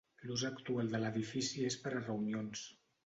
L'ús actual de l'edifici és per a reunions.